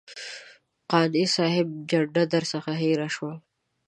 قانع صاحب جنډه درڅخه هېره شوه.